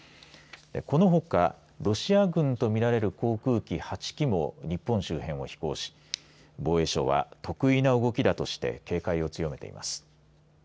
このほかロシア軍とみられる航空機８機も日本周辺を飛行し防衛省は特異な動きだとして警戒を強めています。